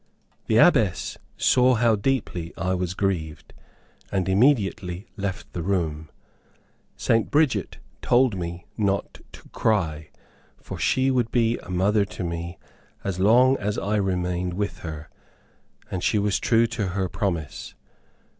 The Abbess saw how deeply I was grieved, and immediately left the room. St. Bridget told me not to cry, for she would be a mother to me as long as I remained with her, and she was true to her promise.